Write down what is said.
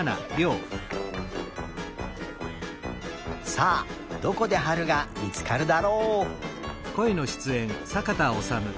さあどこではるがみつかるだろう。